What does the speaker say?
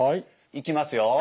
いきますよ。